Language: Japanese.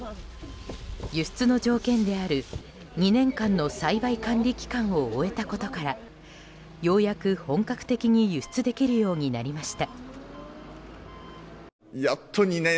輸出の条件である、２年間の栽培管理期間を終えたことからようやく本格的に輸出できるようになりました。